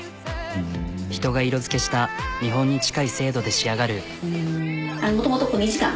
人が色づけした見本に近い精度で仕上がる。